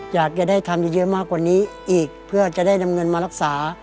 อยากจะได้ทำเยอะมากกว่านี้อีกเพื่อจะได้นำเงินมารักษา